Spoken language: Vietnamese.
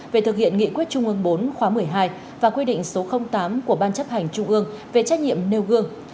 về thực hiện nghị quyết trung ương bốn khóa một mươi hai và quy định số tám của ban chấp hành trung ương về trách nhiệm nêu gương